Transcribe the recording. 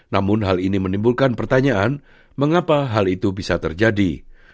namun hal ini menimbulkan pertanyaan mengapa hal itu bisa terjadi